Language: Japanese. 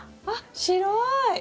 あっ白い！